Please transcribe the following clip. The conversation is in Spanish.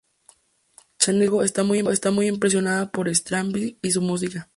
Chanel, sin embargo, está muy impresionada por Stravinski y su música.